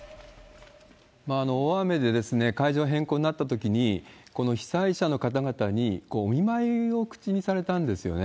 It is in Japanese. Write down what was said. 大雨で会場変更になったときに、この被災者の方々にお見舞いを口にされたんですよね。